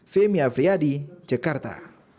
saya dedy jakarta